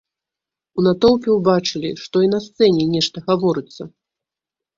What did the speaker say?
У натоўпе ўбачылі, што й на сцэне нешта гаворыцца.